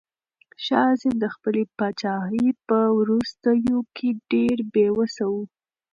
شاه حسين د خپلې پاچاهۍ په وروستيو کې ډېر بې وسه و.